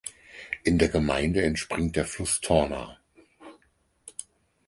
In der Gemeinde entspringt der Fluss Torna.